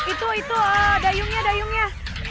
itu itu dayungnya